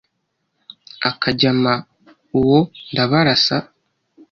akajyama úwa ndábarása